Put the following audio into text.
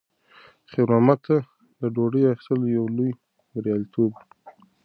خیر محمد ته د ډوډۍ اخیستل یو لوی بریالیتوب و.